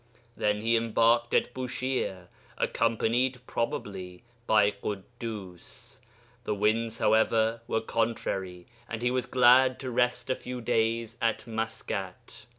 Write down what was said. Then he embarked at Bushire, accompanied (probably) by Ḳuddus. The winds, however, were contrary, and he was glad to rest a few days at Mascat.